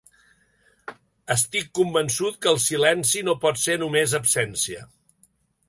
Estic convençut que el silenci no pot ser només absència.